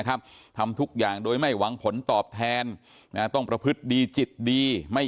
ทำทุกอย่างโดยไม่หวังผลตอบแทนนะต้องประพฤติดีจิตดีไม่